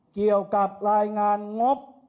เกี่ยวกับรายงานงบ